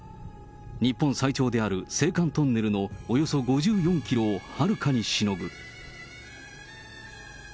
日本最長である青函トンネルのおよそ５４キロをはるかにしのぐ。